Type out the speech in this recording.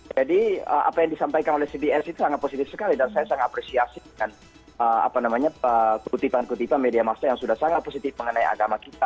jadi apa yang disampaikan oleh cbs itu sangat positif sekali dan saya sangat apresiasi dengan apa namanya kutipan kutipan media masyarakat yang sudah sangat positif mengenai agama kita